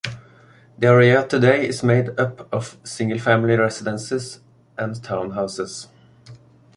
The area today is made up of single-family residences and townhouses.